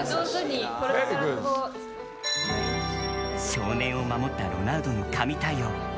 少年を守ったロナウドの神対応。